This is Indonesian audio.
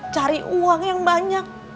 cari uang yang banyak